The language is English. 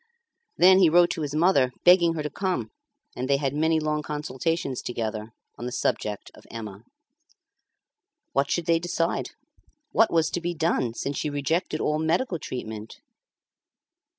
Then he wrote to his mother begging her to come, and they had many long consultations together on the subject of Emma. What should they decide? What was to be done since she rejected all medical treatment?